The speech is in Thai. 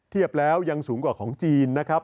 เทียบแล้วยังสูงกว่าของจีนนะครับ